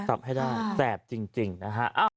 จับให้ได้แสบจริงนะฮะ